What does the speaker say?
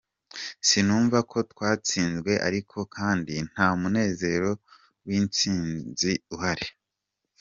Sinumva ko twatsinzwe ariko kandi nta munezero w'intsinzi uhari.